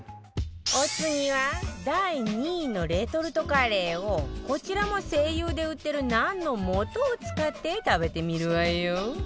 お次は第２位のレトルトカレーをこちらも ＳＥＩＹＵ で売ってるナンの素を使って食べてみるわよ